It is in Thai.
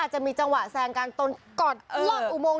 หมดอุโมงนิดนึง